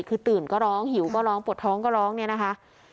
คือตื่นก็ร้องหิวก็ร้องปวดท้องก็ร้องเนี่ยนะคะ